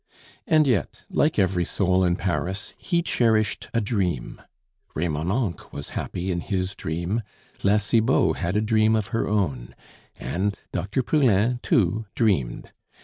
And yet like every soul in Paris he cherished a dream. Remonencq was happy in his dream; La Cibot had a dream of her own; and Dr. Poulain, too, dreamed.